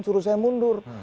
suruh saya mundur